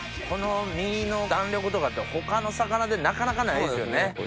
この身の弾力とかって他の魚でなかなかないですよね。